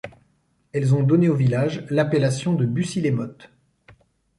Elles ont donné au village l'appellation de Bussy-les-Mottes.